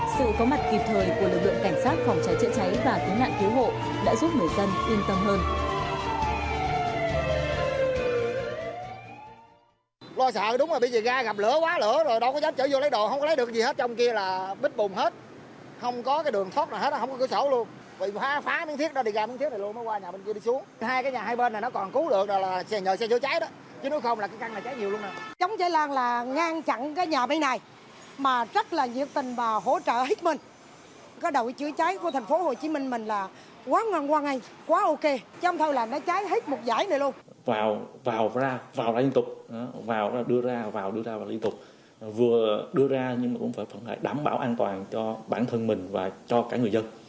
sự có mặt kịp thời của lực lượng cảnh sát phòng cháy chữa cháy và tính nạn thiếu hộ đã giúp người dân yên tâm hơn